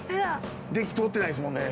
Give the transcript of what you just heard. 電気通ってないですもんね。